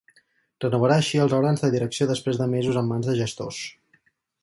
Renovarà així els òrgans de direcció després de mesos en mans de gestors.